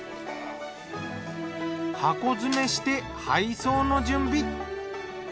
箱詰めして配送の準備。